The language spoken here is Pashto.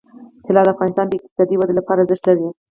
طلا د افغانستان د اقتصادي ودې لپاره ارزښت لري.